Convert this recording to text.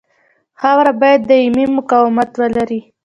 خاوره باید دایمي مقاومت ولري